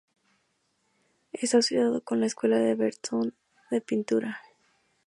Está asociado con la Escuela de Boston de Pintura.